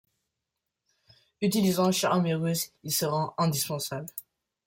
Utilisant charme et ruse il se rend indispensable.